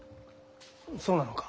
そうなのか？